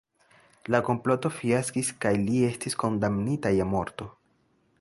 La komploto fiaskis kaj li estis kondamnita je morto.